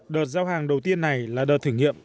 đợt giao hàng đầu tiên này là đợt thử nghiệm